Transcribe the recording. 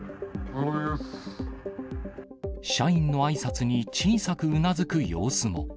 社員のあいさつに小さくうなずく様子も。